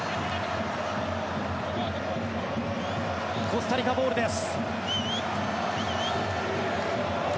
コスタリカボールです。